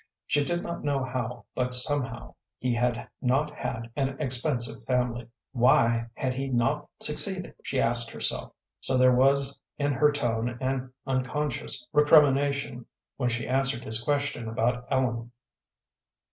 She did not know how, but somehow. He had not had an expensive family. "Why had he not succeeded?" she asked herself. So there was in her tone an unconscious recrimination when she answered his question about Ellen.